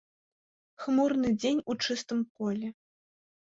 Хмурны дзень у чыстым полі.